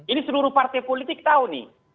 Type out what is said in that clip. ini seluruh partai politik tahu nih